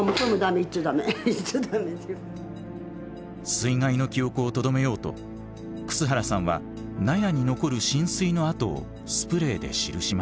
水害の記憶をとどめようと楠原さんは納屋に残る浸水の跡をスプレーで記しました。